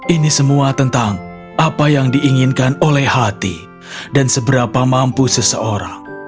ini semua tentang apa yang diinginkan oleh hati dan seberapa mampu seseorang